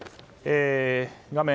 画面